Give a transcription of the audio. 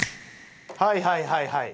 はいはいはいはい。